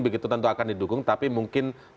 begitu tentu akan didukung tapi mungkin